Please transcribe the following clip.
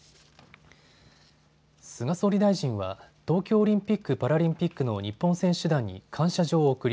菅総理大臣は東京オリンピック・パラリンピックの日本選手団に感謝状を贈り